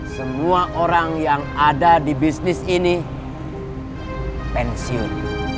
semua orang yang ada di bisnis ini pensiun